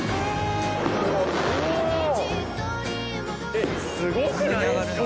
えっすごくないですか？